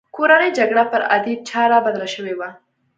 کورنۍ جګړه پر عادي چاره بدله شوې وه.